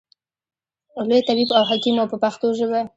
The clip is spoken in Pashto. لوی طبیب او حکیم و په پښتو ژبه.